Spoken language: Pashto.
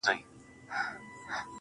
ما وېل سفر کومه ځمه او بیا نه راځمه.